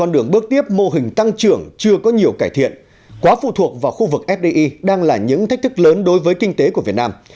đó phù thuộc vào khu vực fdi đang là những thách thức lớn đối với kinh tế của việt nam